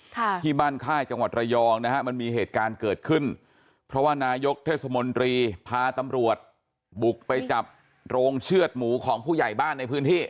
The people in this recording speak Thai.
ที่บ้านค่ายจังหวัดระยองนะฮะมันมีเหตุการณ์เกิดขึ้นเพราะว่านายกเทศมนตรีพาตำรวจบุกไปจับโรงเชือดหมูของผู้ใหญ่บ้านในพื้นที่